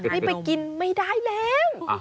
ไม่ไปกินไม่ได้แล้ว